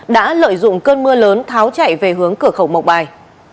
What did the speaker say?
đã lợi dụng cơn mưa lớn tháo chạy về hướng cửa khẩu mộc bài